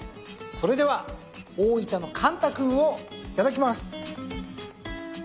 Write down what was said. それでは大分の甘太くんをいただきます。